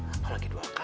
apalagi dua kali